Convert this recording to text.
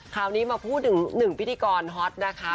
คราวนี้มาพูดถึง๑พิธีกรฮอตนะคะ